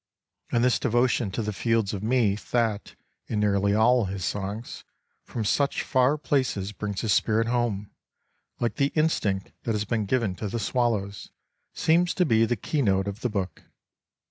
And this devotion to the fields of Meath that, in nearly all his songs, from such far places brings his spirit home, like the in stinct that has been given to the swallows, seems to be the key note of the book.